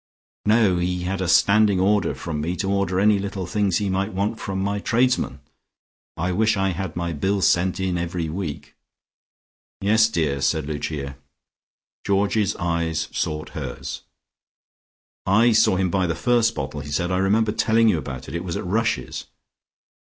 "No: he had a standing order from me to order any little things he might want from my tradesmen. I wish I had my bills sent in every week." "Yes, dear," said Lucia. Georgie's eyes sought hers. "I saw him buy the first bottle," he said. "I remember telling you about it. It was at Rush's."